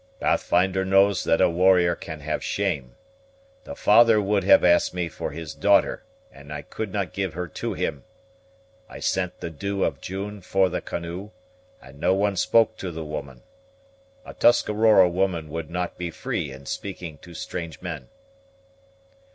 "Pathfinder knows that a warrior can have shame. The father would have asked me for his daughter, and I could not give her to him. I sent the Dew of June for the canoe, and no one spoke to the woman. A Tuscarora woman would not be free in speaking to strange men."